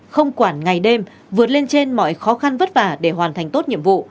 không quản ngày đêm vượt lên trên mọi khó khăn vất vả để hoàn thành tốt nhiệm vụ